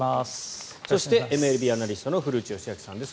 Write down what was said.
そしてＭＬＢアナリストの古内義明さんです。